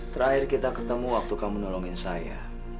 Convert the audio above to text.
terakhir kita ketemu waktu kamu nolongin saya